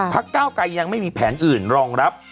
พระเก้ากัยยังไม่มีแผนอื่นรองรับ